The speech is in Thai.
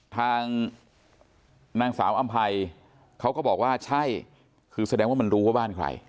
ทางนางสาวอำภัยเขาก็บอกว่าใช่คือแสดงว่ามันรู้ว่าบ้านใคร